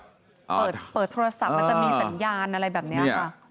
เปิดโทรศัพท์มันจะมีสัญญาณอะไรแบบนี้ค่ะ